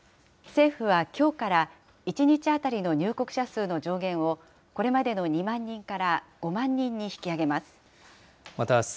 政府はきょうから１日当たりの入国者数の上限を、これまでの２万人から５万人に引き上げます。